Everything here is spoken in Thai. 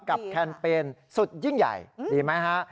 แคมเปญสุดยิ่งใหญ่ดีไหมฮะ